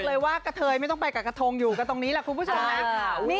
เลยว่ากะเทยไม่ต้องไปกับกระทงอยู่กันตรงนี้แหละคุณผู้ชมนะ